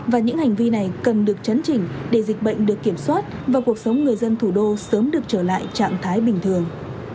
và những hành vi này cần được chấn chỉnh để dịch bệnh được kiểm soát và cuộc sống người dân thủ đô sớm được trở lại trạng thái bình thường